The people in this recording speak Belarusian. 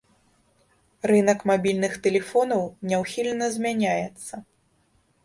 Рынак мабільных тэлефонаў няўхільна змяняецца.